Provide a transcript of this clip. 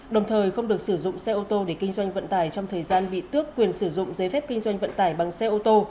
đồng thời không được sử dụng xe ô tô để kinh doanh vận tải trong thời gian bị tước quyền sử dụng giấy phép kinh doanh vận tải bằng xe ô tô